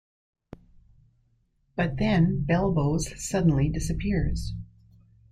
But then, Belboz suddenly disappears.